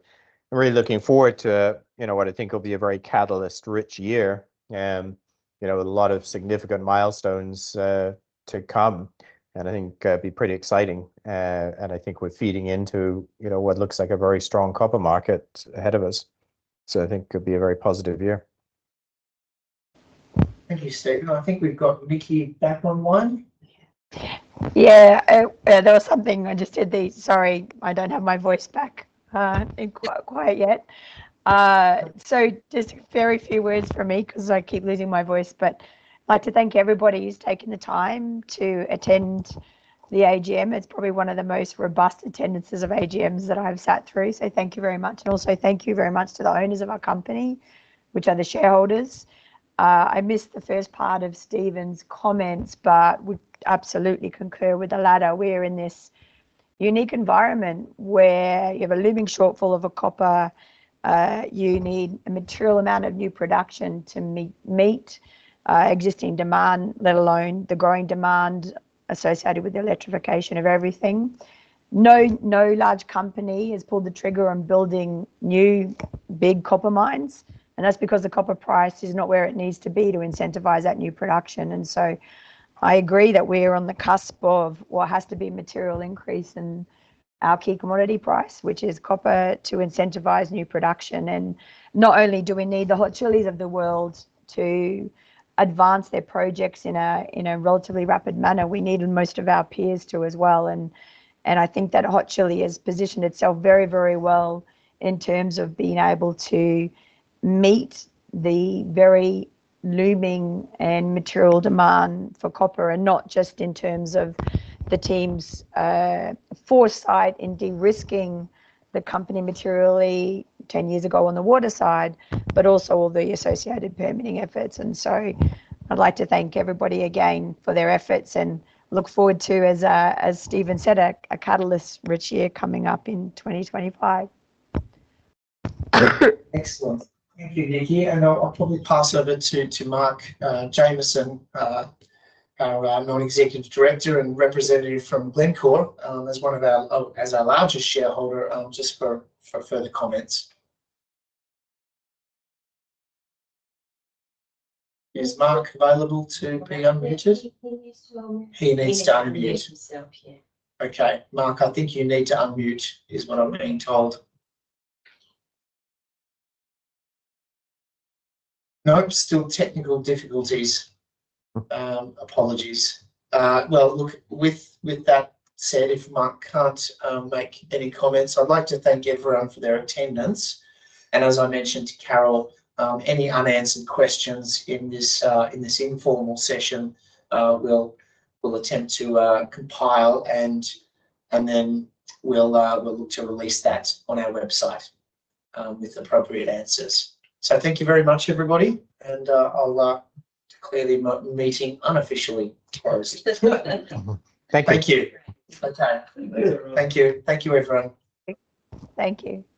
I'm really looking forward to what I think will be a very catalyst-rich year with a lot of significant milestones to come. And I think it'll be pretty exciting. And I think we're feeding into what looks like a very strong copper market ahead of us. So I think it'll be a very positive year. Thank you, Stephen. I think we've got Niki back online. Yeah. There was something I just did there. Sorry, I don't have my voice back, I think, quite yet. So just very few words from me because I keep losing my voice. But I'd like to thank everybody who's taken the time to attend the AGM. It's probably one of the most robust attendances of AGMs that I've sat through. Thank you very much. And also, thank you very much to the owners of our company, which are the shareholders. I missed the first part of Stephen's comments, but would absolutely concur with the latter. We are in this unique environment where you have a looming shortfall of copper. You need a material amount of new production to meet existing demand, let alone the growing demand associated with the electrification of everything. No large company has pulled the trigger on building new big copper mines. And that's because the copper price is not where it needs to be to incentivize that new production. And so I agree that we are on the cusp of what has to be a material increase in our key commodity price, which is copper, to incentivize new production. And not only do we need the Hot Chilis of the world to advance their projects in a relatively rapid manner, we need most of our peers to as well. And I think that Hot Chili has positioned itself very, very well in terms of being able to meet the very looming and material demand for copper, and not just in terms of the team's foresight in de-risking the company materially 10 years ago on the water side, but also all the associated permitting efforts. And so I'd like to thank everybody again for their efforts and look forward to, as Stephen said, a catalyst-rich year coming up in 2025. Excellent. Thank you, Niki. And I'll probably pass over to Mark Jamieson, our Non-Executive Director and representative from Glencore, as one of our largest shareholders, just for further comments. Is Mark available to be unmuted? He needs to unmute. Okay.Mark, I think you need to unmute. Is what I'm being told. Nope. Still technical difficulties. Apologies. Well, look, with that said, if Mark can't make any comments, I'd like to thank everyone for their attendance and, as I mentioned to Carol, any unanswered questions in this informal session. We'll attempt to compile, and then we'll look to release that on our website with appropriate answers, so thank you very much, everybody, and I'll declare the meeting unofficially closed. Thank you. Thank you. Okay. Thank you. Thank you, everyone. Thank you.